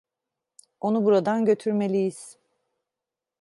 Onu buradan götürmeliyiz.